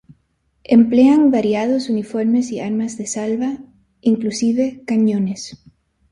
Emplean variados uniformes y armas de salva, inclusive cañones.